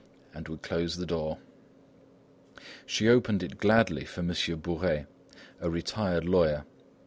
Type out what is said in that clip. and would close the door. She opened it gladly for Monsieur Bourais, a retired lawyer.